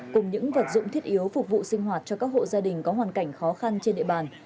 cùng những vật dụng thiết yếu phục vụ sinh hoạt cho các hộ gia đình có hoàn cảnh khó khăn trên địa bàn